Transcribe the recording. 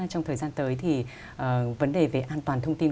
trong thời gian tới thì vấn đề về an toàn thông tin